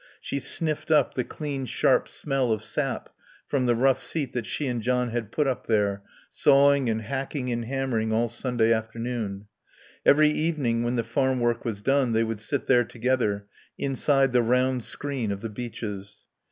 She sniffed up the clean, sharp smell of sap from the rough seat that she and John had put up there, sawing and hacking and hammering all Sunday afternoon. Every evening when the farm work was done they would sit there together, inside the round screen of the beeches.